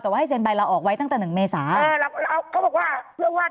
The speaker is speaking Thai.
แต่ว่าให้เซ็นใบเราออกไว้ตั้งแต่หนึ่งเมษาเออเราเขาบอกว่าเพื่อว่า